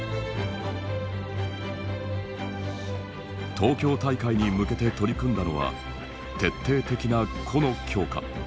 東京大会に向けて取り組んだのは徹底的な個の強化。